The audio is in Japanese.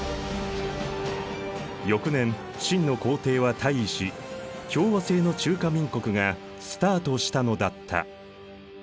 翌年清の皇帝は退位し共和政の中華民国がスタートしたのだった。